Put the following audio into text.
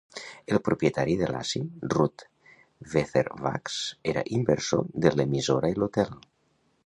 El propietari de Lassie, Rudd Weatherwax, era inversor de l'emissora i l'hotel.